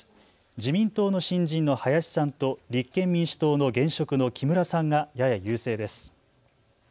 自民党の新人の林さんと立憲民主党の現職の木村さんがやや優勢です。